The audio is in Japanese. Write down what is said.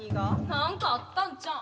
何かあったんちゃうん。